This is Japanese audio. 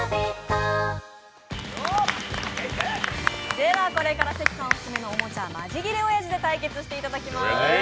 ではこれから関さんオススメのおもちゃ「マジギレおやじ」で対決していただきます。